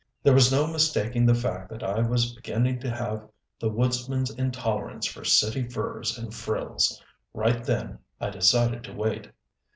There was no mistaking the fact that I was beginning to have the woodsman's intolerance for city furs and frills! Right then I decided to wait.